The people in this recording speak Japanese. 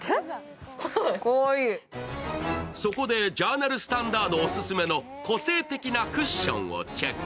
そこでジャーナルスタンダードオススメの個性的なクッションをチェック。